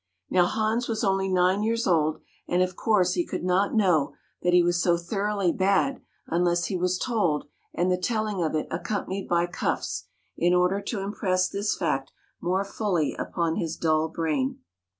Now Hans was only nine years old and, of course, he could not know that he was so thoroughly bad unless he was told and the telling of it accompanied by cuffs, in order to impress this fact more fully upon his dull brain.